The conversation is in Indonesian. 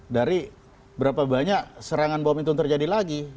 dari berapa banyak serangan bom itu terjadi lagi